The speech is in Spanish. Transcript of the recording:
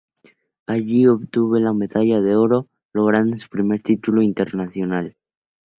Allí obtuvo la medalla de oro, logrando su primer título internacional.